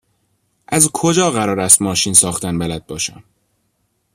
از کجا قرار است ماشین ساختن بلد باشم؟